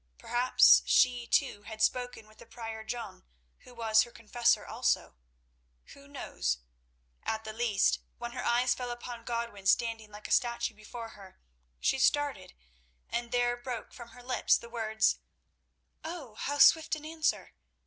Perhaps she, too, had spoken with the Prior John, who was her confessor also. Who knows? At the least, when her eyes fell upon Godwin standing like a statue before her, she started, and there broke from her lips the words: "Oh, how swift an answer!"